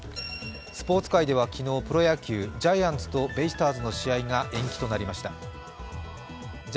スポーツ界では昨日、プロ野球、ジャイアンツとＤｅＮＡベイスターズの試合が延期となりました。